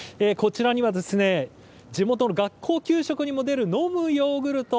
こちらには地元の学校給食にも出るのむヨーグルト。